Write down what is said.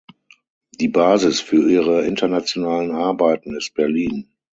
Die Basis für ihre internationalen Arbeiten ist Berlin.